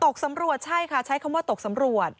ตกสำรวจใช่ค่ะใช้คำว่าตกสำรวจ